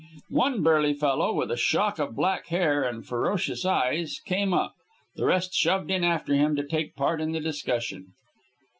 One burly fellow, with a shock of black hair and ferocious eyes, came up. The rest shoved in after him to take part in the discussion.